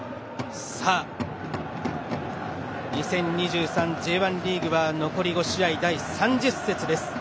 ２０２３年、Ｊ１リーグは残り５試合、第３０節です。